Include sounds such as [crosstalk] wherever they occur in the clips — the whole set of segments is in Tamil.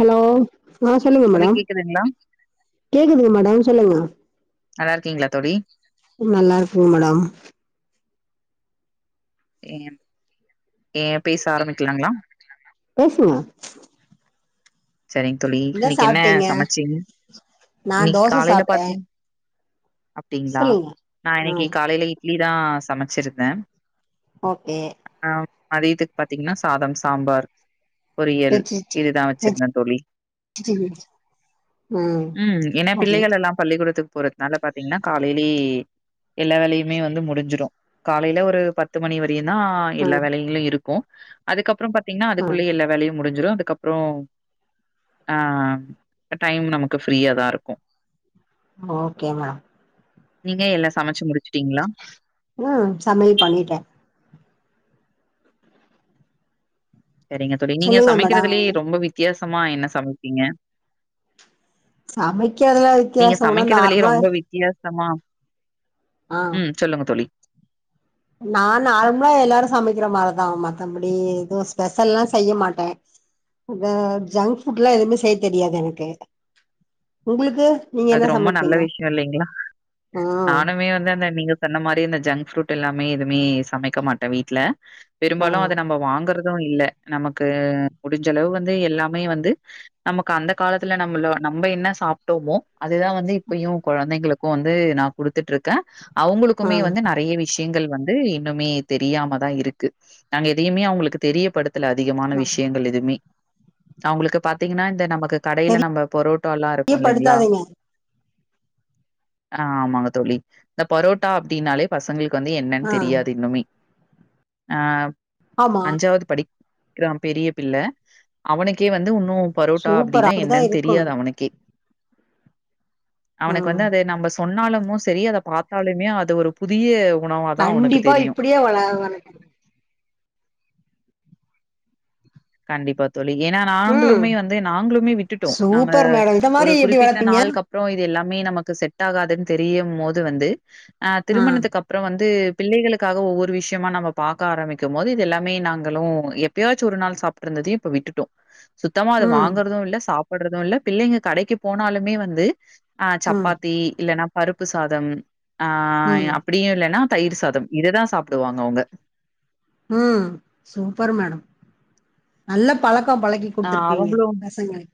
ஹலோ அ சொல்லுங்க தோழி மேடம் கேக்குதுங்களா கேக்குதுங்க மேடம் சொல்லுங்க நல்லா இருக்கீங்களா தோழி நல்லா இருக்குங் மேடம் ஏ ஏ பேச ஆரம்பிக்கலாங்ளா பேசுங்க செரிங் தோழி இன்னைக்கி என்ன சமச்சீங்க நா இன்னைக்கி தோச காலைல சாப்ட்டே பாத்தி டிங்ளா சொல்லுங்க நா ஆ இன்னைக்கி காலைல இட்லி தா சமச்சிருந்தே ஓகே ஆ மதியத்துக்கு பாத்தீங்ன்னா சாதம் சாம்பார் பொரியல் வெச்சிட் இதுதா வெச் வெச்சிருந்தே தோழி ம் ஏனா ஓகே பிள்ளைகள் எல்லாம் பள்ளிக்கூடத்துக்கு போறதுனால பாத்தீங்கன்னா காலைலி எல்லா வேலையுமே வந்து முடிஞ்சுரு காலைல ஒரு பத்து மணி வரையுந் தா ஆ எல்லா வேலைகளு இருக்கு அதுக்கப்றோ பாத்தீங்ன்னா ஆ அதுக்குள்ளே எல்லா வேலையு முடிஞ்சிரு அதுக்கப்றோ ஆ டைம் நமக்கு ஃப்ரீயா தா இருக்கு ஓகே மேம் நீங்க எல்லா சமச்சு முடிச்சுட்டீங்ளா ம் சமையல் பண்ணிட்டே செரிங்க தோழி நீங்க சொல்லுங்க மேடம் சமைக்கிறதுலயே ரொம்ப வித்தியாசமா என்ன சமைப்பீங்க சமைக்கறதுல நீங்க வித்தயாசம்னா சமைக்கிறதுலயே நார்மலா ரொம்ப வித்தியாசமா ஆ ம் சொல்லுங்க தோழி நா நார்மலா எல்லாரு சமைக்கிற மாரதா மத்தபடி எதுவு ஸ்பெஷல்லா செய்ய மாட்டே த ஜங்க் ஃபுட்ல்லா எதுமே செய்ய தெரியாது எனக்கு உங்களுக்கு நீங்க அது என்ன ரொம்ப நல்ல சமைப்பீங்க விஷ்யோ இல்லைங்ளா ஆ நானுமே வந்து அந்த நீங்க சொன்ன மாரி இந்த ஜங்க் ஃப்ரூட் எல்லாமே எதுமே சமைக்க மாட்டே வீட்ல ஆ பெரும்பாலு அத நம்ம வாங்கறத் து இல்ல நமக்கு முடிஞ்ச அளவு வந்து எல்லாமே வந்து நமக்கு அந்த காலத்துல நம்மளு நம்ப என்ன சாப்ட்டோமோ அதுதா வந்து இப்பயு கொழந்தைங்களுக்கு வந்து நா குடுத்துட்ருக்க ஆ அவுங்களுக்குமே வந்து ந றைய விஷயங்கள் வந்து இன்னுமே தெரியாம தா இருக்கு நாங்க எதையுமே அவுங்களுக்கு தெரியப்படுத் த்துல அதிகமான ஆ விஷயங்கள் எதுமே அவுங்களுக்கு பாத்தீங்கன்னா இந்த நமக்கு கடைல நம்ப பரோ டோல்லா இருக்கு இல்லிங்ளா தெரியப்படுத்தாதீங்க ஆமாங்க தோழி இந்த பரோட்டா அப்டின்னாலே பசங்களுக்கு வந்து என்னன் ஆ தெரியாது இன்னுமே ஆ ஆமா அஞ்சாவ்து படிக் கிறா பெரிய பிள்ள அவனுக்கே வந்து உன்னு பரோட்டா சூப்பர் அப்டின்னா அப்படிதா என்னன் இருக்கணு தெரியாது அவுனுக்கே ஆ அவனுக்கு வந்து அத நம்ப சொன்னாலுமோ சரி அத பாத்தாலுமே அது ஒரு புதிய உணவா தா அவனுக்கு கண்டிப்பா தெரியு [unintelligible] கண்டிப்பா தோழி ஏனா ம் நாங்களுமே வந்து நாங்களுமே விட்டுட்டோ நாங்க சூப்பர் மேடம் இந்த மாரி ஒரு எப்படி குறிப்பிட்ட வளப்பீங்க நாள் கப் அப்றோ இது எல்லாமே நமக்கு செட் ஆகாதுன்னு தெரியும் போது வந்து அ ஆ திருமணத்துக் அப் அப்றோ வந்து பிள்ளைகளுக்காக ஒவ்வொரு விஷயமா நம்ம பார்க்க ஆரம்பிக்க போது இது எல்லாமே நாங்களு எப்பயாச்சி ஒரு நாள் சாப் இருந்ததையே இப்ப விட்டுட்டோ சுத்தமா அது ம் வாங்கறது இல்ல சாப் போடுறது இல்ல பிள்ளைங்க கடைக்கு போனாலுமே வந்து ஆ ம் சப்பாத்தி இல்லன்னா பருப்பு சாதம் ஆ ம் அப்படியு இல்லன்னா தயிர் சாதம் இததா சாப்பிடுவாங்க அவுங்க ம் சூப்பர் மேடம் நல்ல பழக்க பழக்கி அ குடுத்துருகீங்க அவங்களோட பசங்களு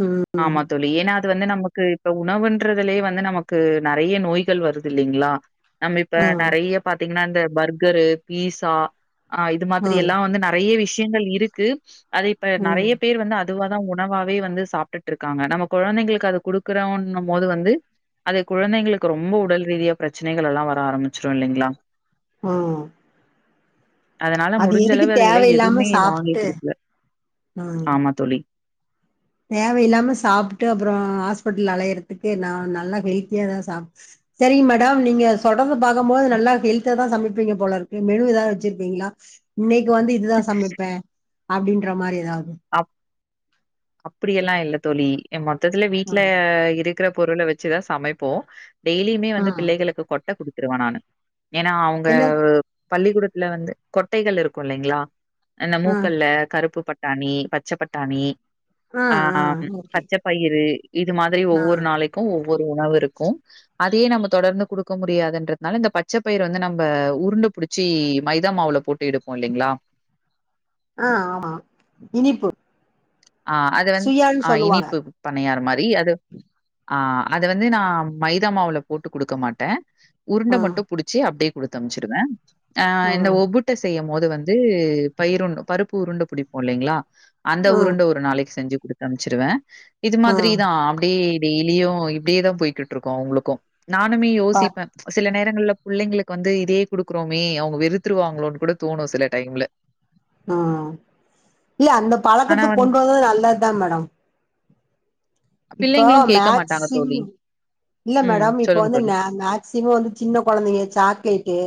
ம் ஆமா தோழி ஏனா அது வந்து நமக்கு இப்ப உணவுன்றதுலயே வந்து நமக்கு நெறைய நோய்கள் வருது இல்லிங்களா நம்ம இப்ப ம் நெறைய பாத்தீங்கன்னா இந்த பர்கரு பீசா ஆ இது ம் மாதிரியெல்லா வந்து நெறைய விஷயங்கள் இருக்கு அது இப்ப ம் நெறைய பேர் வந்து இதுவா தா உணவாவே வந்து சாப்ட்டுட்டு இருக்காங்க நம்ம குழந்தைங்களுக்கு அது குடுக்குறோன்னு போது வந்து அத குழந்தைங்களுக்கு ரொம்ப உடல் ரீதியா பிரச்சனைகள் எல்லா வர ஆரம்பிச்சிரு இல்லைங்களா ம் அதனால அது முடிஞ்ச எதுக்கு அளவு அதுகல தேவையில்லாம எதுவுமே வாங்கி சாப்ட்டு குடுக்கல ஆமா தோழி தேவயில்லாம சாப்புட்டு அப்பறோ ஹாஸ்பிட்டல்ல அலையறதுக்கு நா நல்லா ஹெல்த்தியா தா சாப் செரிங்க மேடம் நீங்க தொடர்ந்து பாக்கும்போது நல்லா ஹெல்தா தான் சமைப்பீங்க போலருக்கு மெனு ஏதாவது வச்சிருப்பீங்களா இன்னிக் வந்து இதுதான் சமைப்பே அப்டின்ற மாதிரி எதாவது அப் அப்படியெல்லா இல்ல தோழி என் மொத்தத்துல ஆ வீட்ல இருக் இருக்கிற பொருள வெச்சுதா சமைப்போ டெய்லியுமே ஆ வந்து பிள்ளைகளுக்கு கொட்ட குடுத்துருவ நானு ஏனா அவுங்க இல்ல பள்ளிகூடத்துல வந்து கொட்டைகள் இருக்கு இல்லைங்களா அந்த ஆ மூக்கல்ல கருப்பு பட்டாணி பச்ச பட்டாணி ஆ ஆ ஆஹ் ஓகே பச்சப் பயிரு இது மாதிரி ஆ ஒவ்வொரு நாளைக்கு ஒவ்வொரு உணவு இருக்கும் அதே நம்ம தொடர்ந்து குடுக்க முடியாதுன்றத்னால இந்த பச்சப்பயிரு வந்து நம்ப உருண்ட புடிச்சி மைதா மாவுல போட் எடுப்போ இல்லிங்களா ஆ ஆமா இனிப்பு ஆ அது வந்து சுயான்னு ஆ சொல்லுவாங்க இனிப்பு பனையார மாரி அது ஆ அது வந்து நா மைத மாவுல போட்டு குடுக்க மாட்டே உருண்ட ஆ மட்டு புடுச்சு அப்டியே குடுத்த அம்ச்சுருவே ஆ இந்த ஒப்புட்டு செய்யும் போது வந்து ந்து பயிறு ஒன்னு பருப்பு உருண்ட பிடிப்போ இல்லைங்களா அந்த ஆ உருண்ட ஒ நாளைக்கு செஞ்சு குடுத்து அம்ச்சிருவ இது ஆ மாதிரி தா அப்டி டெய்லியும் இப்டியே தா போய்கிட்டுருக்கு அவங்களுக்கு நானுமே பா யோசிப்பே சில நேரங்கள்ல புள்ளைங்களுக்கு வந்து இதே குடுக்குறோமே அவங்க வெறுத்துருவாங்களோன்னு கூட தோணு சில டைம்ல ம் இல்ல அந்த ஆனா பழக்கத்துக் வந்து கொண்டு வந்தது நல்லது தா மேடம் இப்போ பிள்ளைங்களும் கேட்க மாட்டாங்க மேக்சிம் தோழி. இல்ல ம். மேடம் இப்ப சொல்லுங்க வந்து தோழி. [unintelligible] ம்சிமம் வந்து சின்ன குழந்தைங்க சாக்லேட்டு்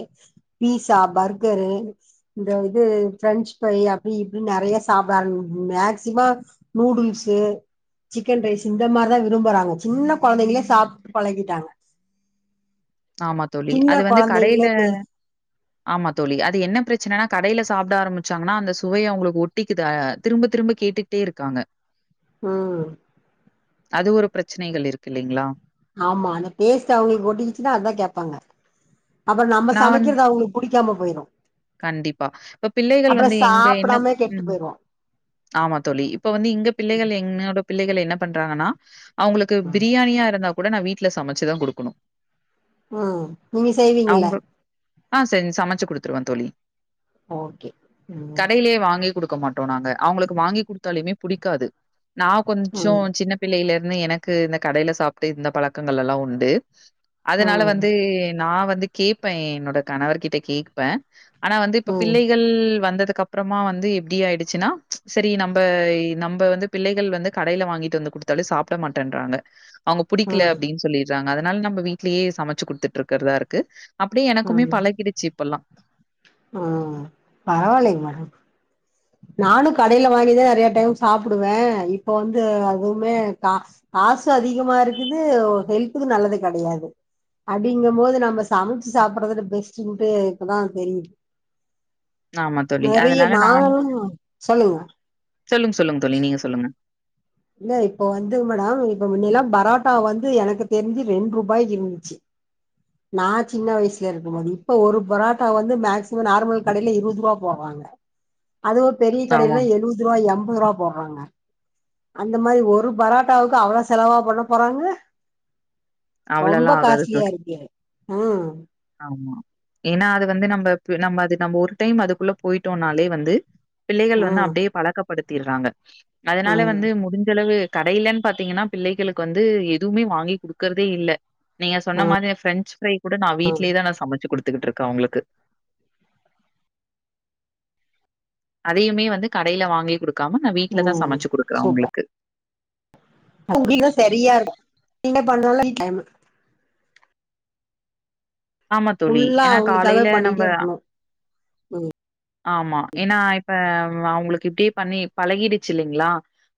பீஸா பர்கரு இந்த இது பிரெஞ்சு ஃப்ரை அப்டி இப்டி நிறைய சாப்டா ஆரம் மேக்சிம நூடுல்ஸ்சு சிக்கன் ரைஸ் இந்த மாரிதா விரும்புறாங்க சின்ன குழைங்களே சாப்ட்டு பழகிட்டாங்க ஆமா தோழி சின்ன அது வந்து கடேல கொழந்தைங்களே பே ஆமா தோழி அது என்ன பிரச்சனனா கடைலே சாப்ட ஆரம்பிச்சாங்கன்னா அந்த சுவையே அவங்களுக்கு ஒட்டிக்குது அ அ திரும்ப திரும்ப கேட்டு டே இருக்காங்க ம் அது ஒரு பிரச்சனைகள் இருக்கு இல்லைங்ளா ஆமா அந்த பேஸ்ட் அவங்களுக்கு ஒட்டிகிச்சன்னா அதா கேப்பாங்க அப்புரோ நம்ம நான் வந் சமைக்கிறது அவங்களுக் புடிக்காம போயிரு கண்டிப்பா இப்ப பிள்ளைகள் அப்றோ வந்து எங்க என்ன சாப்டாமயே கெட்டு உம் போயிரு ஆமா தோழி இப்ப வந்து இங்க பிள்ளைகள் என்னோட பிள்ளைகள் என்ன பண்றாங்கன்னா அவங்களுக்கு ம் பிரியாணியா இருந்தா கூட நா வீட்ல சமைச்சி தா குடுக்கணு ம் நீங்க செய்வீங்கள்ள அவங்க ஆ செஞ் சமைச்சி குடுத்துருவே தோழி ஓகே ம் கடையிலயே வாங்கி குடுக்க மாட் டோ நாங்க அவங்களுக்கு வாங்கி குடுத்தாலுமே புடிக்காது நா கொஞ்சோ ம் சின்னப் பிள்ளேயில இருந்து எனக்கு இந்த கடேல சாப்டு இருந்த பழக்கங்கள் எல்லா உண்டு அதனால ம் வந்து நா வந்து கேட்பே என்னோட கணவர் கிட்ட கேக்ப ஆனா வந்து இப்ப ம் பிள்ளைகள் வந்ததுக்கு அப் அப்புறமா வந்து எப்டி ஆயிடுச்சின்னா சரி நம்பே நம்பே வந்து பிள்ளைகள் வந்து கடேல வாங்கிட்டு வந்து குடு த்தாலு சாப்ட மாட்டேன்றாங்க அவங்க புடிக்கல ம் அப்டின்னு சொல்லிறாங்க அதனால நம்ம வீட்லேயே சமைச்சு குடுத்துட்டு இருக்கிறதா இருக்கு அப்டியே எனக்குமே பழகிடுச்சி இப்பல்லா ஆ பரவாயில்லங்க மேடம் நானு கடேல வாங்கிதா நறைய டைம் சாப்டுவ இப்ப வந்து அதுவுமே கா காசு அதிகமா இருக்குது ஒ ஹெல்த்துக்கு நல்லது கெடையாது அப்டிங்கும் போது நம்ம சமைச்சி சாப்பிறது பெஸ்டுட்டு இப்பதா தெரியுது ஆமா தோழி. நறைய அதனால நாகளு சொல்லுங்க சொல்லுங் சொல்லுங்க தோழி நீங்க சொல்லுங்க இல்ல இப்போ வந்து மேடம் இப்ப முன்னைல்லா பரோட்டா வந்து எனக்கு தெரிஞ்சி ரெண்டு ரூபாய்க்கு இருந்து [unintelligible] நா சின்ன வயசுல இருக்கும்போது இப்ப ஒரு பொரோட்டா வந்து மேக்சிமம் நார்மல் கடைலே இருபது ரூபா போவாங்க அதுவு பெரிய கடைல ஆமா. எழுபது ரூபா எண்பது ரூபா போடுறாங்க அந்த மாரி ஒரு பரோட்டாவுக்கு அவ்ளவு செலவா பண்ண போறாங்க ரொம்ப அவ்வளலாம் ஆகாது காஸ்ட்லியா தோழி. இருக்கு ஆ ஆமா ஏனா அது வந்து நம்ம நம்ம அது நம்ம ஒரு டைம் அதுக்குள்ள போயிட்டோனாலே வந்து பிள்ளைகள் வந்து ம் அப்டியே பழக்கப்படுத்திறாங்க அதனால ம் வந்து முடிஞ்சளவு கடையில்லன்னு பாத்தீங்னா பிள்ளைகளுக்கு வந்து எதுமே வாங்கி குடு குக்கறதே இல்ல நீங்க சொன்ன மாரி பிரெஞ்சி ஃப்ரை கூட நா வீட்லேயே தா நா சமச்சி குடுத்துக்கிட்டு இருக்க அங்களுக்கு அதையுமே வந்து கடையில வாங்கி குடுக்காம நா வீட்ல தா ம் சமச்சு குடுக்குறே சூப்பர் அவுங்களுக்கு உங்களுக்கு சரியா இருக்கு நீங்க பண்ணுன்ற டைமு ஆமா தோழி ஃபுல்லா ஏனா அவங்களுக்காகவே காலேல நம்ப பண்ணிட்டே இருக்கணு ஆமா ஏனா இப்ப அவுங்களுக்கு இப்டியே பண்ணி பழகிடுச்சி இல்லங்ளா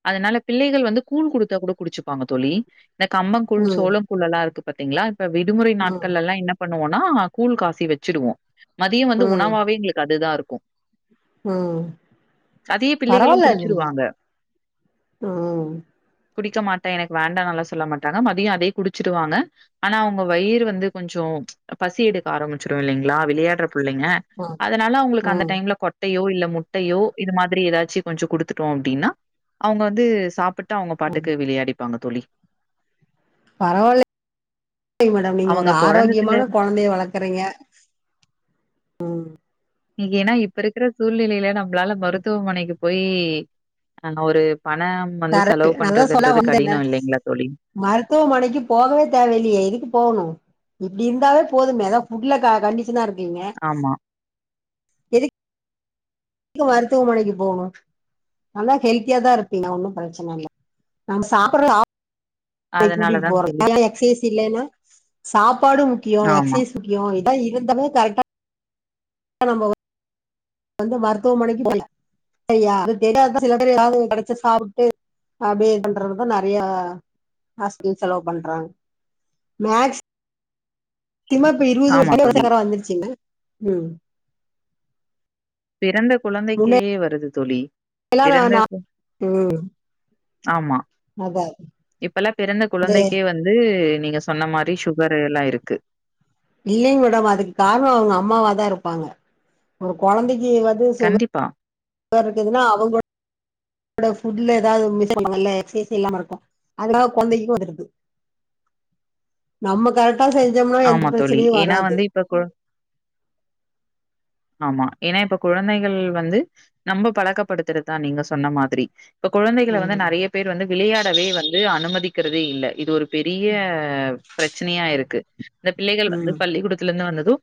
அதனால பிள்ளைகள் வந்து கூழ் குடுத்தா கூட குடிச்சுப்பாங்க தோழி இந்த கம்பங்கூழ் ம் சோளக்கூள் எல்லா இருக்கு பாத்தீங்களா இப்ப விடுமுறை ம் நாட்கள்ல்லா என்ன பண்ணுவோனா கூழ் காசி வச்சுடுவோ மதிய வந்து ம் உணவாவே எங்களுக்கு அதுதா இருக்கு ம் பரவால பிள்ளைகளும் அது குடிச்சிருவாங்க. ம் குடிக்க மாட்டே எனக்கு வேண்டானெல்லா சொல்ல மாட்டாங்க மதிய அதே குடிச்சிருவாங்க ஆனா அவுங்க வயிறு வந்து கொஞ்ச பசி எடுக்க ஆரம்பிச்சிரு இல்லிங்களா வெளையாடுற பிள்ளங்க ம் அதனால அவுங்களுக் அந்த ம் ல்ல கொட்டையோ இல்ல முட்டையோ இது மாதிரி ஏதாச்சு கொஞ்ச குடுத்துட்டோ அப்டின்னா அவுங்க வந்து சாப்பிட்டு அவுங்க ம் பாட்டுக்கு விளையாடிப்பாங்க தோழி பரவாயில்ல மேடம் நீங்க அவங்க ஒரு பொறந்ததுல ஆரோக்கியமான கொழந்தைய வளர் க்றீங்க ம் நீங்க ஏன்னா இப்ப இருக்குற சூழ்நிலையில நம்மளால மருத்துவமனைக்கு போயி அங்க ஒரு பண வந்து கரெக்ட் செலவு அதா சொல்ல பண்றதுன்றது வந்தேன்ல கடின இல்லிங்களா தோழி மருத்துவமனைக்கு போகவே தேவ இல்லயே எதுக்கு போகணு இப்டி இருந்தாவே போதுமே அதா ஃபுட்ல க கண்டிஷனா இருக்கீங்க ஆமா க்கு மருத்துவமனைக்கு போணு நல்லா ஹெல்த்தியா தா இருப்பீங்க ஒன்னு பிரச்சன இல்ல நம்ப சாப்பற சா அதனால கூட்டிட் தான் போறே தோழி. [inaudible] எக்சைஸ் தில்லைன்னா சாப்பாடு முக்கியோ ஆமா, எக்சைஸ் முக்கியோ இதா இருந்தாலே கரெக்டா நம்ம வந்து [inaudible] மருத்துவமனைக்கு போ [inaudible] சரியா அது தெரிய சிலது கடைச்ச சாப்புட்டு அப்டியே இது பண்றதுதா நெறைய ஹாஸ்பிடல் செலவு பண்றாங்க மேக்சி திமா இப்ப இருபது ஆமா தோழி. வருச [inaudible] வந்துருச்சுங்க ம் பிறந்த குழந்தைக்கே முன்னையெல்லா வருது தோழி பிறந்த நா ம் ஆமா அதா இப்பெல்லா பிறந்த குழந்தைக்கே வந்து நீங்க சொ சொன்ன மாரி சுகரு எல்லா இருக்கு இல்லங்க மேடம் அதுக் காரண அவுங்க அம்மாவாதா இருப்பாங்க ஒரு கொழந்தைக்கு வந் கண்டிப்பா இதா இருக்குதுன்னா அவுங்க என்னோட ஃபுட்ல எதாது [inaudible] இல்லாம இருக்கு அதான கொழந்தைக்கு வருது நம்ம கரெக்டா செஞ்சோம்னா எந்த பிரச்சனையு வராது தற்கொல ஆமா ஏனா இப்ப குழந்தைகள் வந்து நம்ம பழக்கப்படுத்துறதுதா நீங்க சொன்ன மாதிரி இப்ப குழந்தைகள வந்து ம் நெறைய பேர் வந்து விளையாடவே வந்து அனுமதிக்கறதே இல்ல இது ஒரு பெரிய பிரச்சனையா இருக்கு இந்த பிள்ளைகள் வந்து ம் பள்ளிக்கூடத்துல இருந்து வந்தது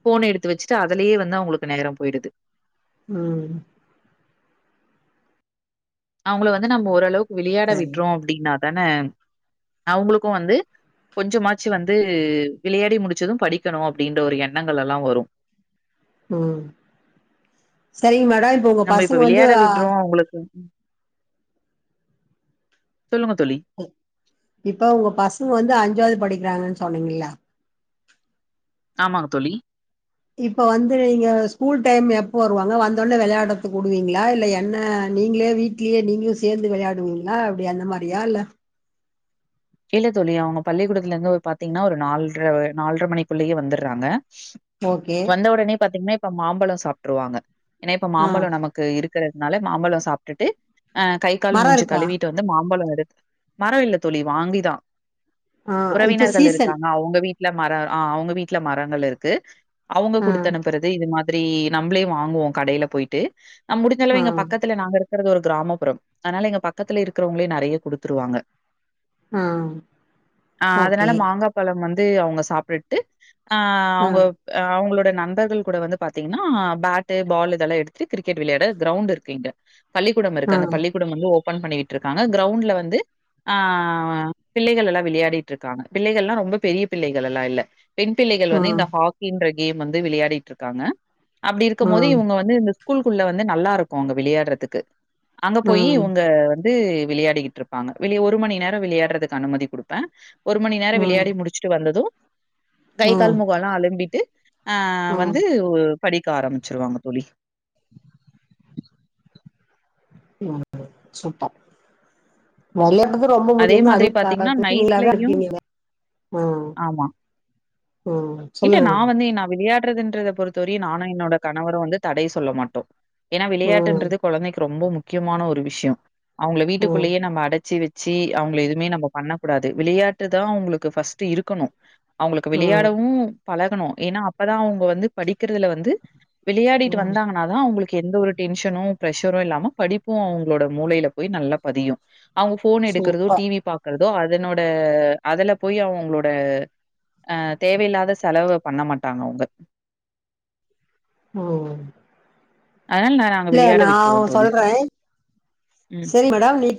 ஃபோன எடுத்து வச்சுட்டு அதுலயே வந்து அவுங்களுக் நேகர போயிருது ம் அவுங்கள வந்து நம்ம ஓரளவுக்கு விளையாட சரி விட்றோ அப்டின்னா தானே அவுங்களுக்கு வந்து கொஞ்சமாச்சு வந்து விளையாடி முடிச்சது படிக்கணு அப்டின்ற ஒரு எண்ணங்கள் எல்லா வரு ம் சரிங்க மேடம் உங்க நம்ம இப்ப பசங்க வந்து விளையாட விடுறோ உங்களுக்கு சொல்லுங்க தோழி இப்ப உங்க பசங்க வந்து அஞ்சாவது படிக்கிறாங்கன்னு சொன்னீங்கல்ல ஆமாங்க தோழி இப்போ வந்து நீங்க ஸ்கூல் டைம் எப்போ வருவாங்க வந்தோனே விளையாடறத்துக்கு உடுவீங்களா இல்ல என்ன நீங்களே வீட வீட்லயே நீங்களு சேர்ந்து விளையாடுவீங்களா அப்டி அந்த மாரியா இல்ல இல்ல தோழி அவங்க பள்ளிக்கூடத்துல இருந்து ஒரு பாத்தீங்கன்னா ஒரு நால்ர நால்ர மணிக்குள்ளயே வந்துட்றாங்க ஓகே வந்த ஒடனே பாத்தீங்கன்னா இப்ப மாம்பழ சாப்ட்ருவாங்க ஏன்னா இப்ப ஆ மாம்பழ நமக் கு இருக்குறதுனால மாம்பழ சாப்ட்டுட்டு அ கை கால் மரோ மூஞ்சி இருக்கா கழுவிட்டு வ ந்து மாம்பழ எடு மர இல்ல தோழி வாங்கிதா ஆ இப்ப உறவினர்கள் சீசன் இருக்காங்க அவங்க வீ ட்ல மர ஆ அவங்க வீட்ல மரங்கள் இருக்கு அவங்க ஆ குடுத்த அனுப்புற து இது மாதிரி நம்ப்ளே வாங்குவோ கடையில போயிட்டு நம் முடிஞ்சளவு ஆ இங்க பக்கத்துல நாங்க இருக் குறது ஒரு கிராமப்புறோ அனால எங்க பக்கத்துல இருக்கிறவங்களே நறைய குடுத்துருவாங்க ஆ அ அதனால ஓகே மாங்கா பழம் வந்து அவங்க சாப்ட்டுட்டு ஆ ஆ அவங்க அ அவங்களோட நண்பர்கள் கூட வந்து பாத்தீங்கன்னா பேட்டு பால் இதெல்லா எடுத்துட்டு கிரிக்கெட் விளையாட கிரௌண்ட் இருக்கு இங்க பள்ளிக்கூடம் ஆ இருக்கு அந்த பள்ளிக்கூடம் வந்து ஓபன் பண்ணிகிட்டு இருக்காங்க கிரௌண்ட்ல வந்து ஆ பிள்ளைகள் எல்லா விளையாடிட் இருக்காங்க பிள்ளைகள்னா ரொம்ப பெரிய பிள்ளைகள் எல்லா இல்ல பெண் பிள்ளைகள் ஆ ஆ வந்து இந்த ஹாக்கின்ற கேம் வந்து விளையாடிட்டு இருக்காங்க அப்டி ஆ இருக்கும் ஆ போது இவங்க வந்து இந்த ஸ்கூல்குள்ள வந்து நல்லா இருக்கு அங்க விளையாடுறதுக்கு அங்க போய் இவுங்க வந்து விளையாடிகிட் ருப்பாங்க வெளியே ஒரு மணி நேர விளையாடுறதுக்கு அனுமதி குடுப்பே ஒரு மணி நேர ஆ விளையாடி முடிச்சுட்டு வந்தது கை கால் ஆ முகொ எல்லா அலம்பிட்டு அ வந்து ம் பு படிக்க ஆரம்பிச்சிருவாங்க தோழி வரப்பு சுப்பர் வெளயாடுறது ரொம்ப அதே முடியுங்க மாதிரி அதுவு க க பாத்தீங்கன்னா, கசுமில்லாத நைட்லயும் இருக்கீங்களே ஓ ஆமா. ஓ இல்ல நா வந்து எ நா விளையாடுறதுன்றத பொறுத்தவரையு நானு என்னோட கணவரு வந்து தடை சொல்ல மாட்டோ ஏன்னா ம் விளையாட்டுன்றது குழந்தைக்கு ரொம்ப முக்கியமான ஒரு விஷயொ அவங்கள ம் வீட்டுக்குள்ளேயே நம்ம அடச்சு வெ ச்சு அவங்கள எதுவுமே நம்ப பண்ணக் கூடாது விளையாட்டுதா அவங்களுக்கு ஃபர்ஸ்ட்டு இருக்கணு அவங்களுக்கு ம் விளையாடவு பழகணு ஏன்னா அப்பதா அவங்க வந்து படிக்கறதுல வந்து விளையாடிட்டு ம் வந்தாங்கன் னாதா அவங்களுக்கு எந்த ஒரு டென்ஷனு பிரஷரு இல்லாம படிப்பு அவங்களோட மூளையில போய் நல்லா பதியு அவங்க ஃபோன் எடுக்கறதோ சூப்பர் டிவி பாக் கறதோ அதனோட அதுல போய் அவுங்களோட அ தேவையில்லாத செலவு பண்ண மாட்டாங்க அவுங்க ஓ அதனால நா நாங்க வெளையாட விட்ருவோ தோழி சொல்றே ம் சரி மேடம் நீ